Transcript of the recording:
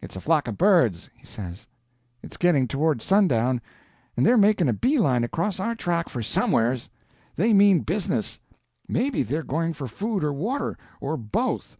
"It's a flock of birds," he says. "It's getting toward sundown, and they're making a bee line across our track for somewheres. They mean business—maybe they're going for food or water, or both.